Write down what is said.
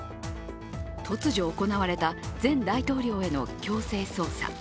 突如行われた前大統領への強制捜査。